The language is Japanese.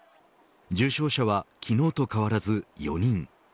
重症者は昨日と変わらず４人。